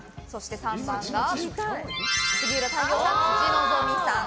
３番は杉浦太陽さん辻希美さん。